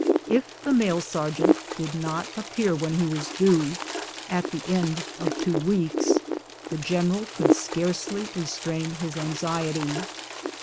If the mail ser geant did not appear when he was due — at the end of two weeks — the general could scarcely restrain his anx iety.